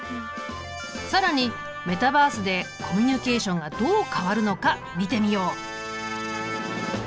更にメタバースでコミュニケーションがどう変わるのか見てみよう。